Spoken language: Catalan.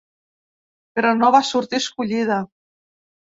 Però no va sortir escollida.